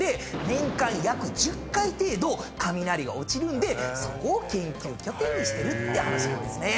年間約１０回程度雷が落ちるんでそこを研究拠点にしてるっていう話なんですね。